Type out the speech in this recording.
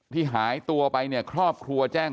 หายตัวไปเนี่ยครอบครัวแจ้ง